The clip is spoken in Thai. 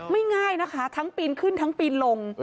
ง่ายนะคะทั้งปีนขึ้นทั้งปีนลง